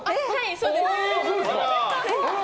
そうです！